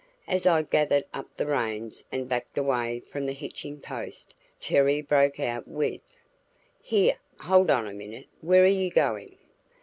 As I gathered up the reins and backed away from the hitching post, Terry broke out with: "Here, hold on a minute. Where are you going?"